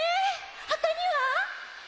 ほかには？